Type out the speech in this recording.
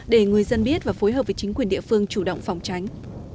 để người dân biết và phối hợp với chính quyền địa phương chủ động phòng tránh